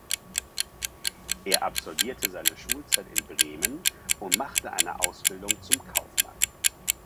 Er absolvierte seine Schulzeit in Bremen und machte eine Ausbildung zum Kaufmann.